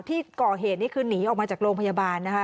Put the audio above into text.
ที่ก่อเหตุนี้คือหนีออกมาจากโรงพยาบาลนะคะ